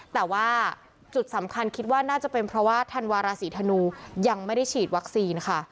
แต่ว่าจุดสำคัญคิดว่าน่าจะเป็นเพราะว่าธันวาราศีธนูยังไม่ได้ฉีดวัคซีนค่ะ